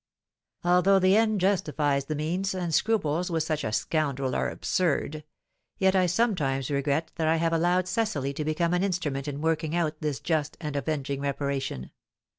"Although the end justifies the means, and scruples with such a scoundrel are absurd, yet I sometimes regret that I have allowed Cecily to become an instrument in working out this just and avenging reparation."